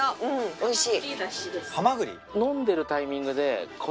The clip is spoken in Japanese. おいしい！